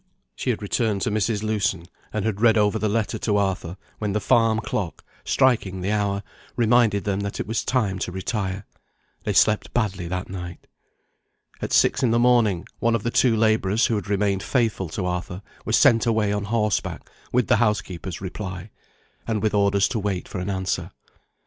She had returned to Mrs. Lewson, and had read over the letter to Arthur, when the farm clock, striking the hour, reminded them that it was time to retire. They slept badly that night. At six in the morning, one of the two labourers who had remained faithful to Arthur was sent away on horseback with the housekeeper's reply, and with orders to wait for an answer.